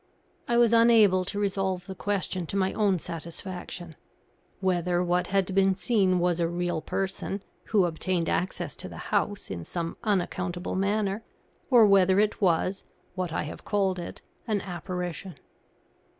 I was unable to resolve the question to my own satisfaction whether what had been seen was a real person, who obtained access to the house in some unaccountable manner, or whether it was, what I have called it, an apparition.